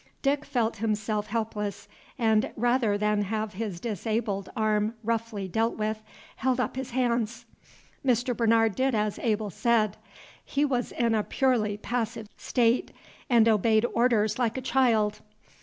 Dick felt himself helpless, and, rather than have his disabled arm roughly dealt with, held up his hands. Mr. Bernard did as Abel said; he was in a purely passive state, and obeyed orders like a child.